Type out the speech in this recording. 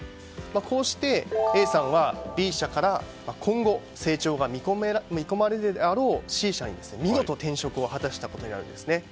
こうしてＡさんはＢ社から今後、成長が見込まれるであろうＣ社に見事、転職を果たしたことになるんですね。